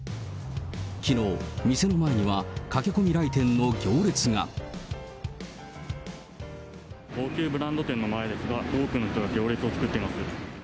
きのう、高級ブランド店の前ですが、多くの人が行列を作っています。